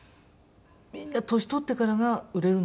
「みんな年取ってからが売れるのよ」